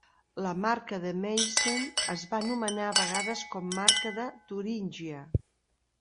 La marca de Meissen es va anomenar a vegades com Marca de Turíngia.